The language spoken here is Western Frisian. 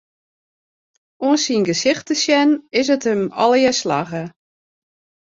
Oan syn gesicht te sjen, is it him allegear slagge.